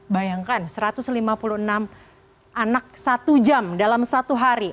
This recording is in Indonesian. bayangkan satu ratus lima puluh enam anak satu jam dalam satu hari